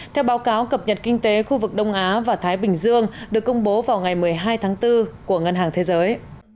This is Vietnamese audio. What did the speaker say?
theo báo cáo cập nhật kinh tế khu vực đông á và thái bình dương được công bố vào ngày một mươi hai tháng bốn của ngân hàng thế giới